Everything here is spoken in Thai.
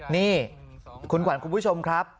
นี่คุณขวัญคุณผู้ชมครับ